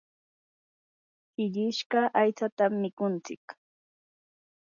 shillishqa aytsatam mikuntsik.